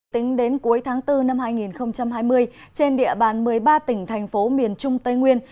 tính đến cuối tháng bốn năm hai nghìn hai mươi trên địa bàn một mươi ba tỉnh thành phố miền trung tây nguyên